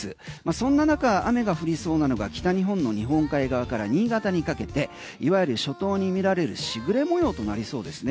そんな中、雨が降りそうなのが北日本の日本海側から新潟にかけていわゆる初頭に見られる時雨模様となりそうですね。